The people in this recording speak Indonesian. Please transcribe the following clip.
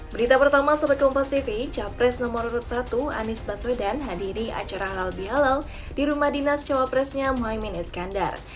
berita pertama sobat kelompok tv capres nomor satu anis baswedan hadiri acara halal bihalal di rumah dinas cowok presnya mohaimin iskandar